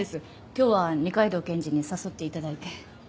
今日は二階堂検事に誘って頂いて。